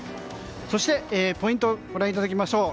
そして、ポイントご覧いただきましょう。